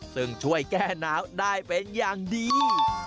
ซึ่งช่วยแก้หนาวได้เป็นอย่างดี